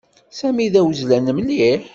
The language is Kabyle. Sami d awezzlan mliḥ.